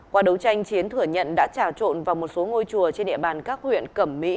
qua đấu tranh chiến thừa nhận đã trà trộn vào một số ngôi chùa trên địa bàn các huyện cẩm mỹ